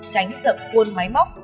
tránh rậm cuôn máy móc